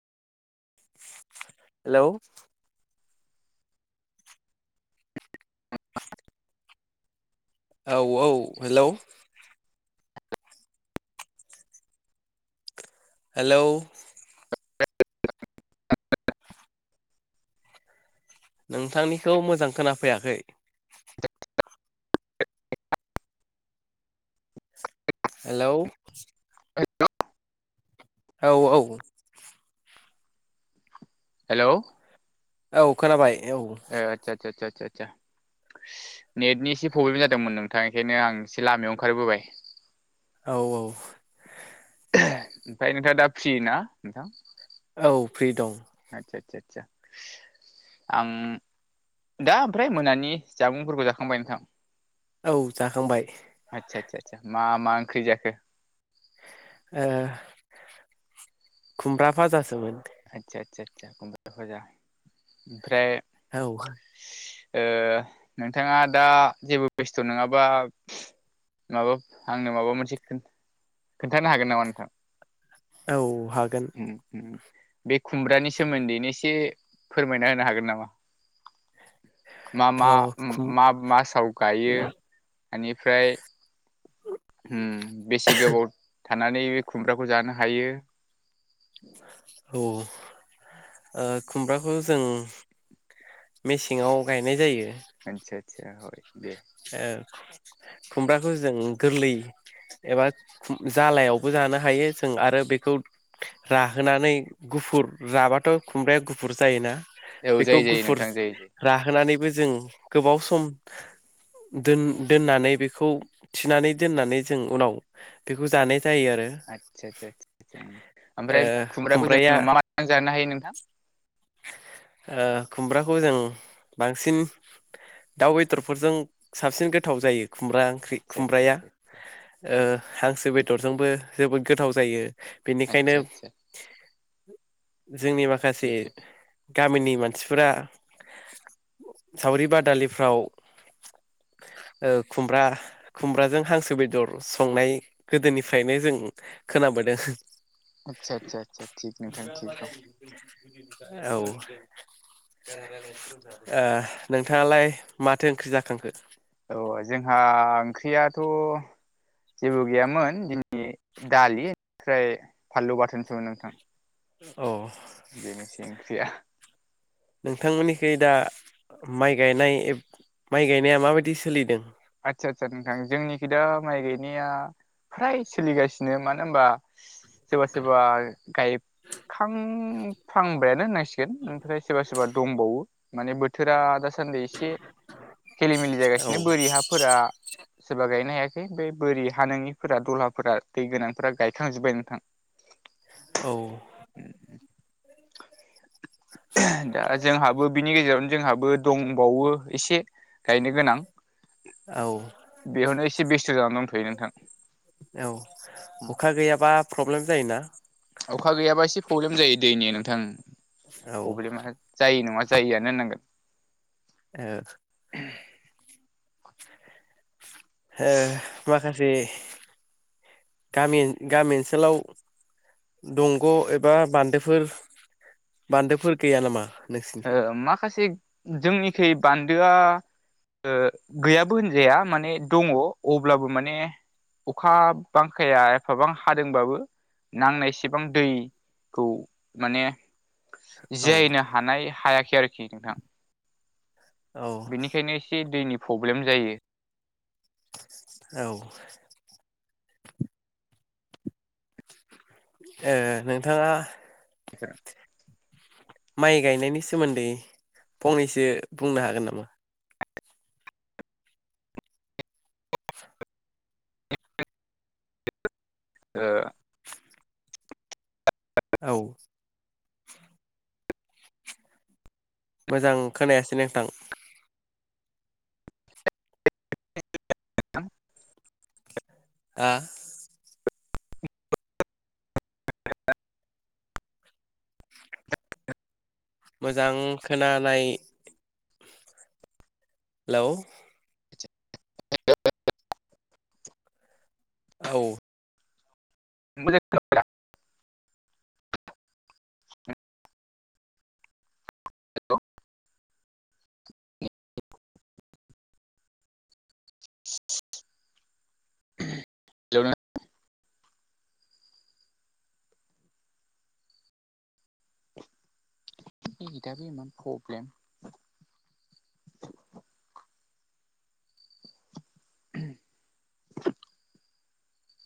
Hello. औ औ hello. Hello. नोंथांनिखौ मोजां खोनाफैयाखै। हेल'। ओ हेल'। औ औ। हेल' । औ खोनाबाय। औ ए आदसा आदसा आसा सा सा नेटनि एसे प्रब्लेम जादोंमोन नोंथां ओंखायनो आं एसे लामायाव ओंखारबोबाय। औ औ। ओहो ओमफ्राय नोंथाङा दा फ्रि ना नोंथां? औ फ्रि दं। सा आं दा ओमफ्राय मोनानि जामुंफोरखौ जाखांबाय नोंथां? औ जाखांबाय। आदसा आदसा आसा मा मा ओंख्रि जाखो? ओ खुमब्रा भाजासोमोन। आदसा आदसा आदसा खुमब्रा भाजा ओमफ्राय औ। ओ नोंथाङा दा जेबो बेस्थ नङाबा माबा आंनो माबा मोनसे खोन्थानो हागोन नामा नोंथां? औ। हागोन उम उम बे खुमब्रानि सोमोन्दैनो एसे फोरमायना होनो हागोन नामा? मा मा थ' खुम मा मासाव गायो ओनिफ्राय उम बेसे गोबाव थानानै बे खुमब्राखौ जानो हायो। औ। ओ खुमब्राखौ जों मेसेङाव गायनाय जायो। आतसा आतसा ओ खुमब्राखौ जों गोरलै एबा जालायावबो जानो हायो जों आरो बेखौ राहोनानै गुफुर राबाथ' खुमब्राया गुफुर जायोना। औ बेखौ जायो जायो गुफुर नोंथां जायो जायो राहोनानैबो जों गोबाव सम [inaudible] दोननानै बेखौ थिनानै दोननानै जों उनाव बेखौ जानाय जायो आरो आतसा आतसा आतसा ओ ओमफ्राय खुमब्राखौ खुमब्राया जोङो मा माजों जानो हायो नोंथां? थां ओ खुमब्राखौ जों बांसिन दाउ बेदरफोरजों साबसिन गोथाव जायो। खुमब्रा ओंख्रि आदसा आदसा खुमब्राया आदसा ओ हांसो बेदरजोंबो जोबोद गोथाव जायो। बेनिखायनो आदसा आदसा जोंनि माखासे थिग दं गामिनि मानसिफोरा । सावरि बादालिफ्राव ओ खुमब्रा खुमब्राजों हांसो बेदर संनाय गोदोनिफ्रायनो जों खोनाबोदों। आदसा आदसा आदसा थिग नोंथां थिग दं औ ओ नोंथांङालाय माथो ओंख्रि जाखांखो औ जोंहा ओंख्रियाथ जेबो गैयामोन दिनै दालि ओमफ्राय फानलु बाथोनसोमोन नोंथां औ बेनोसै ओंख्रिया नोंथांमोननिखै दा माइ गायनाय माइ गायनाया माबायदि सोलिदों आदसा आदसा नोंथां जोंनिखि दा माइ गायनाया फ्राय सोलिगासिनो मानो होनबा सोरबा सोरबा गाय खां हांबायनो होनांसिगोन ओमफ्राय सोरबा-सोरबा दंबावो माने बोथोरा [unintelligible] दासान्दि एसे खेलिमेलि औ जागासिनो बोरि हाफोरा सोरबा गायनो हाया बे बोरि हा नोंइफोरा दलहाफोरा दै गोनांफोरा गायखांजोबबाय नोंथां औ दा जोंहाबो बिनि गेजेरावनो जोंहाबो दंबावो एसे गायनो गोनां औ बेयावनो एसे बेस्थ जानानै दंथयो नोंथां औ अखा गैयाबा प्रब्लेम जायोना अखा गैयाबा एसे प्रब्लेम जायो दैनि नोंथां औ ओ प्रब्लेमा जाइ नंङा जायोआनो होननांगोन ओ-ओ माखासे बे गामि-गामि ओनसोलाव दंग एबा बान्दोफोर-बान्दोफोर गैया नामा ओ नोंसिनिखै माखासे जोंनिखै बान्दोआ ओ गैयाबो होनजाया माने दंङ अब्लाबो माने अखा बांखाया एफाबां हादोंबाबो नांनायसेबां दै खौ माने औ जियायनो हानाय हायाखै आरोखि नोंथां औ बेनिखायनो एसे दैनि प्रब्लेम जायो औ ए नोंथांङा [unintelligible] माइ गायनायनि सोमोन्दै फंनैसो बुंनो हागोन नामा ओ औ मोजां खोनायासै नोंथां [unintelligible] आ मोजां खोनानाय हेलौ औ मोजां [unintelligible] हेलौ [unintelligible] नेथआबो इमान प्रब्लम